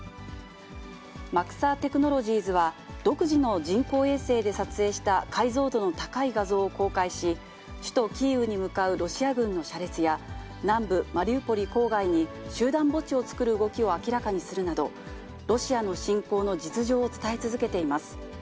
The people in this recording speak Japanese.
マクサー・テクノロジーズは、独自の人工衛星で撮影した解像度の高い画像を公開し、首都キーウに向かうロシア軍の車列や、南部マリウポリ郊外に集団墓地を作る動きを明らかにするなど、ロシアの侵攻の実情を伝え続けています。